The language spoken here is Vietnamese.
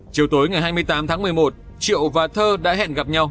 chiều tối ngày hai mươi tám tháng một mươi một triệu và thơ đã hẹn gặp nhau